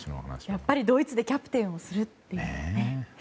やっぱりドイツでキャプテンをするというね。